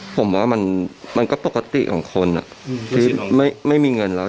ผมว่ามันมันก็ปกติของคนอ่ะอืมที่ไม่ไม่มีเงินแล้ว